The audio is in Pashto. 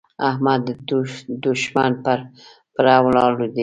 احمد د دوښمن پر پره ولاړ دی.